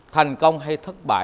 thành công hay thất bại